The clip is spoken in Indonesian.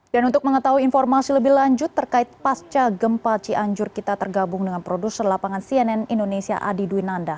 dan untuk mengetahui informasi lebih lanjut terkait pasca gempa cianjur kita tergabung dengan produser lapangan cnn indonesia adi dwinanda